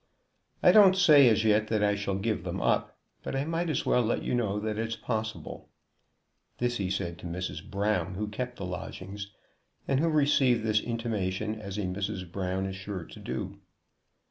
"I don't say as yet that I shall give them up; but I might as well let you know that it's possible." This he said to Mrs. Brown, who kept the lodgings, and who received this intimation as a Mrs. Brown is sure to do.